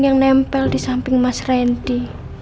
yang nempel disamping mas rendy